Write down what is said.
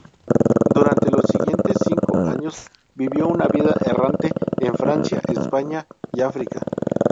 Durante los siguientes cinco años vivió una vida errante en Francia, España y África.